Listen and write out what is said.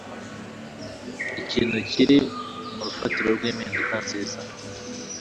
ikintu kiri mu rufatiro rw'impinduka nziza